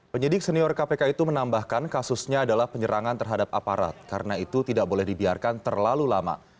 penyidik senior kpk itu menambahkan kasusnya adalah penyerangan terhadap aparat karena itu tidak boleh dibiarkan terlalu lama